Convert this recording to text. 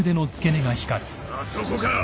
あそこか！